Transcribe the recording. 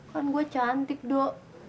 kan gue cantik dok